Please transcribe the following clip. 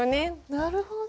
なるほど。